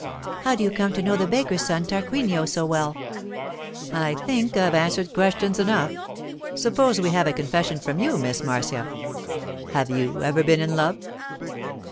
'How do you come to know the baker's son, Tarquinio, so well?' 'I think I've answered questions enough. Suppose we have a confession from you, Miss Marcia. Have you ever been in love?